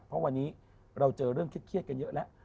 เพราะวันนี้เราเจอเรื่องเครียดกันเยอะแล้ว